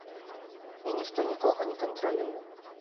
І ніхто нікога не кантралюе.